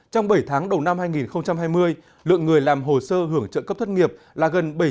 trong bảy tháng đầu năm hai nghìn hai mươi lượng người làm hồ sơ hưởng trợ cấp thất nghiệp là gần bảy trăm linh